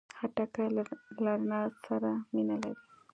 خټکی له رڼا سره مینه لري.